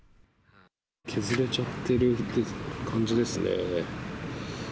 削れちゃってるって感じです